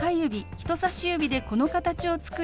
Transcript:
人さし指でこの形を作り